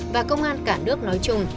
và công an cả nước nói chung